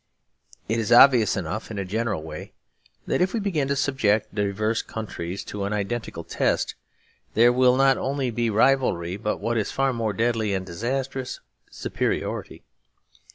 It is obvious enough in a general way that if we begin to subject diverse countries to an identical test, there will not only be rivalry, but what is far more deadly and disastrous, superiority.